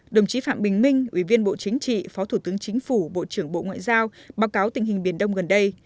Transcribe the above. đồng chí phạm bình minh ủy viên bộ chính trị phó thủ tướng chính phủ bộ trưởng bộ ngoại giao báo cáo tình hình biển đông gần đây